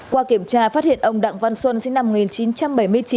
qua kiểm tra phát hiện ông đặng văn xuân sinh năm một nghìn chín trăm bảy mươi chín